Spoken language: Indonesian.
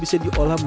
berat tiga belum